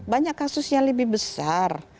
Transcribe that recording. banyak kasus yang lebih besar